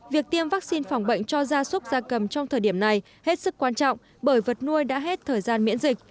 việc tiêm vaccine phòng bệnh cho gia súc gia cầm trong thời điểm này hết sức quan trọng bởi vật nuôi đã hết thời gian miễn dịch